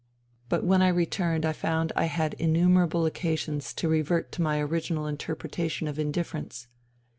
But when I returned I found I had innumerable occasions to revert to my original interpretation of indifference.